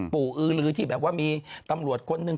อือลือที่แบบว่ามีตำรวจคนหนึ่ง